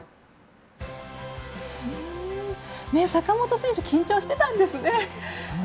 坂本選手緊張してたんですね。